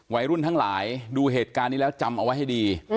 วัยรุ่นทั้งหลายดูเหตุการณ์นี้แล้วจำเอาไว้ให้ดี